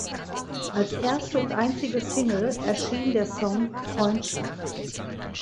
Als erste und einzige Single erschien der Song "Freundschaft".